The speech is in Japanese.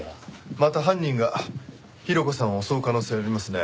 また犯人がヒロコさんを襲う可能性ありますね。